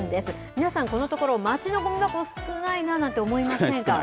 皆さん、このところ、街のゴミ箱、少ないななんて思いませんか？